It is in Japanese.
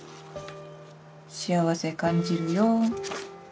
「幸せ感じるよ」。